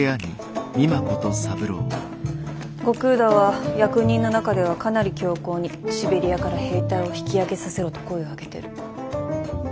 後工田は役人の中ではかなり強硬にシベリアから兵隊を引き揚げさせろと声を上げてる。